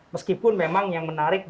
meskipun memang yang menarik